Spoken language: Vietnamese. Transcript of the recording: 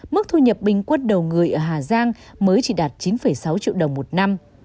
mức thu nhập bình quân đầu người ở hà giang mới chỉ đạt chín sáu triệu đồng một năm